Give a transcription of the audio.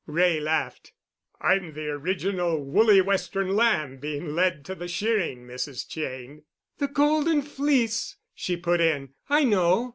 Wray laughed. "I'm the original woolly Western lamb being led to the shearing, Mrs. Cheyne——" "The golden fleece!" she put in. "I know.